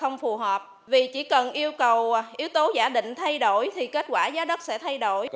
phương pháp thẳng dư không phù hợp vì chỉ cần yêu cầu yếu tố giả định thay đổi thì kết quả giá đất sẽ thay đổi